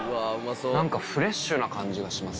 何かフレッシュな感じがします